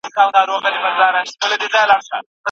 ډیپلوماټان کله د سوله ییز لاریون اجازه ورکوي؟